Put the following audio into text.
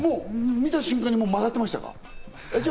見た瞬間に曲がってましたか？